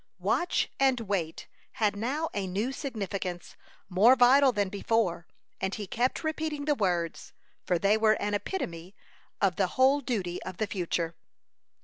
WATCH AND WAIT had now a new significance, more vital than before; and he kept repeating the words, for they were an epitome of the whole duty of the future.